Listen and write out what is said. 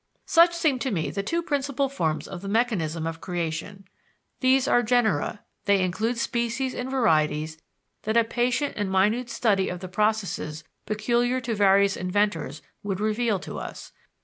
Such seem to me the two principal forms of the mechanism of creation. These are genera; they include species and varieties that a patient and minute study of the processes peculiar to various inventors would reveal to us.